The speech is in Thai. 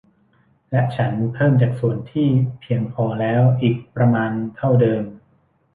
และฉันเพิ่มจากส่วนที่เพียงพอแล้วอีกประมาณเท่าเดิม